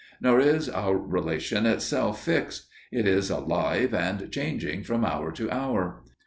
Nor is our relation itself fixed; it is alive and changing from hour to hour.